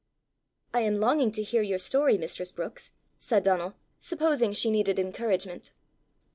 "I am longing to hear your story, mistress Brookes," said Donal, supposing she needed encouragement.